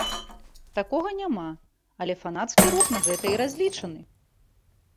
Такога няма, але фанацкі рух на гэта і разлічаны!